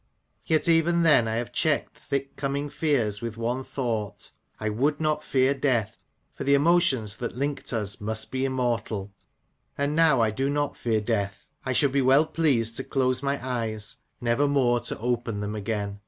Yet, even then, I have checked thick coming fears with one thought : I would not fear death, for the emotions that linked us must be immortal. And now I do not fear death. I should be well pleased to close my eyes, never more to open them again.